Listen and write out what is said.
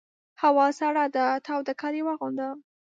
هوا سړه ده تاوده کالي واغونده!